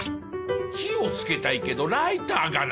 火をつけたいけどライターがない。